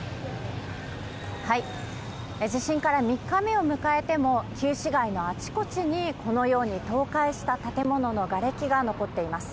地震から３日目を迎えても、旧市街のあちこちに、このように倒壊した建物のがれきが残っています。